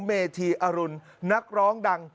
เมธีอรุณนักร้องดัง